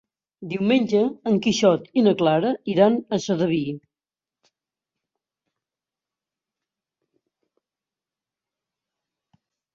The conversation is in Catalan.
Diumenge en Quixot i na Clara iran a Sedaví.